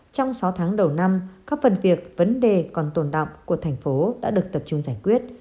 trong sáu tháng đầu năm các phần việc vấn đề còn tồn động của thành phố đã được tập trung giải quyết